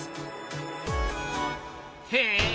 へえ。